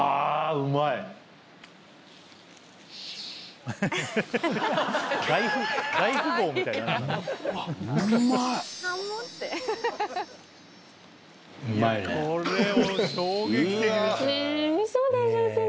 うまいね。